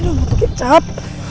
ini udah bukit cap